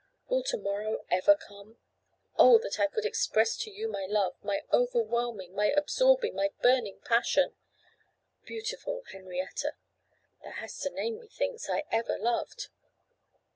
Will to morrow ever come? Oh! that I could express to you my love, my overwhelming, my absorbing, my burning passion! Beautiful Henrietta! Thou hast a name, methinks, I ever loved.